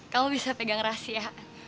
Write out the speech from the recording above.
kamu bisa pegang rahasia